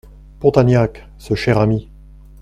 Pontagnac ! ce cher ami !